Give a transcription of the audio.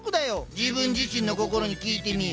自分自身の心にきいてみよ。